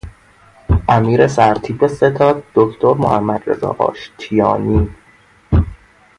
امیر سرتیپ ستاد دکتر محمد رضا آشتیانی